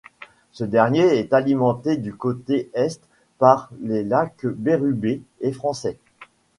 Ce dernier est alimenté du côté est par les lac Bérubé et Français.